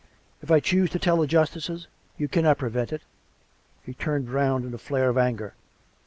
If I choose to tell the justices, you cannot prevent it." (He turned round in a flare of anger.)